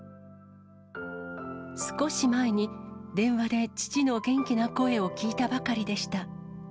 少し前に、電話で父の元気な声を聞いたばかりでした。